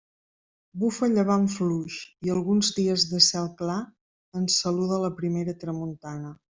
Bufa llevant fluix i alguns dies de cel clar ens saluda la primera tramuntana.